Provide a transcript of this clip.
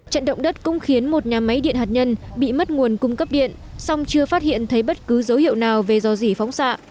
trận động đất cũng khiến một nhà máy điện hạt nhân bị mất nguồn cung cấp điện song chưa phát hiện thấy bất cứ dấu hiệu nào về do gì phóng xạ